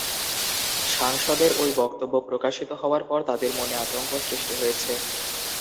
সাংসদের ওই বক্তব্য প্রকাশিত হওয়ার পর তাঁদের মনে আতঙ্ক সৃষ্টি হয়েছে।